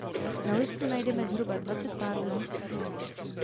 Na listu najdeme zhruba dvacet párů lístků.